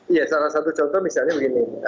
iya salah satu contoh misalnya begini